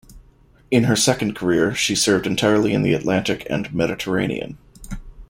In her second career, she served entirely in the Atlantic and Mediterranean.